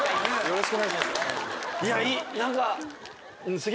よろしくお願いします。